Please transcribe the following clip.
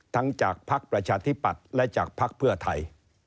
จากภักดิ์ประชาธิปัตย์และจากภักดิ์เพื่อไทย